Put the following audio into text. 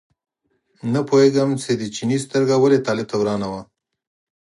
نه پوهېږم چې د چیني سترګه ولې طالب ته ورانه وه.